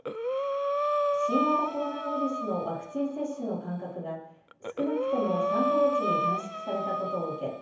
新型コロナウイルスのワクチン接種の間隔が少なくとも３か月に短縮されたことを受け